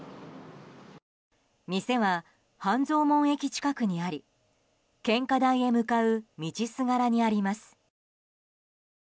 店は半蔵門駅近くにあり献花台へ向かう道すがらにあります。